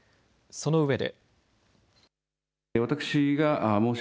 そのうえで。